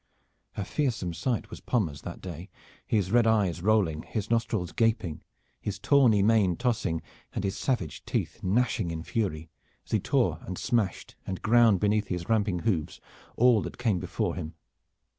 A fearsome sight was Pommers that day, his red eyes rolling, his nostrils gaping, his tawny mane tossing, and his savage teeth gnashing in fury, as he tore and smashed and ground beneath his ramping hoofs all that came before him.